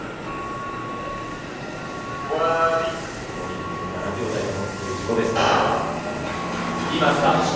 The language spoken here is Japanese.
共に１分７秒台を持っている自己ベスト。